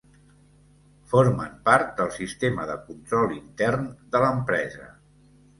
Formen part del sistema de control intern de l'empresa.